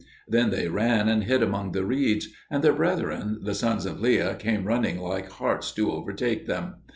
Then they ran and hid among the reeds; and their brethren the sons of Leah came running like harts to overtake them.